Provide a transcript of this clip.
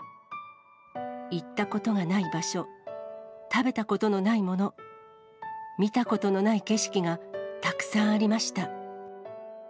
行ったことがない場所、食べたことのないもの、見たことのない景色がたくさんありました。